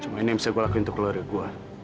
cuma ini yang bisa gua lakukan untuk keluarga gw